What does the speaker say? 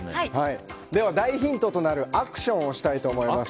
では大ヒントとなるアクションをしたいと思います。